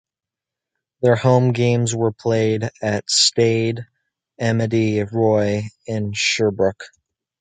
Their home games were played at Stade Amedee Roy in Sherbrooke.